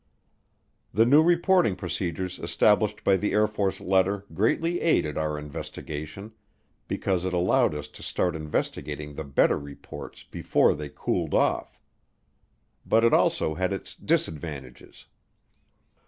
The new reporting procedures established by the Air Force letter greatly aided our investigation because it allowed us to start investigating the better reports before they cooled off. But it also had its disadvantages.